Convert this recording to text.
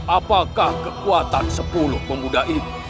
apakah kekuatan sepuluh pemuda ini